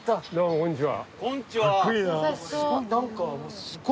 こんにちは。